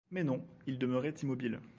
Mais non, il demeurait immobile.